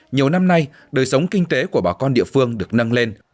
nhiều năm nay đời sống kinh tế của bà con địa phương được nâng lên